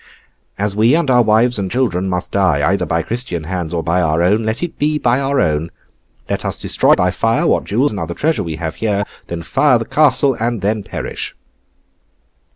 As we and our wives and children must die, either by Christian hands, or by our own, let it be by our own. Let us destroy by fire what jewels and other treasure we have here, then fire the castle, and then perish!